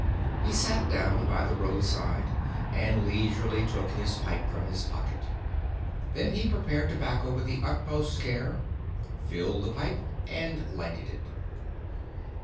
He sat down by the road side and leisurely took his pipe from his pocket. Then he prepared tobacco with the utmost care, filled the pipe and lighted it.